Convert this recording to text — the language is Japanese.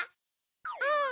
うん！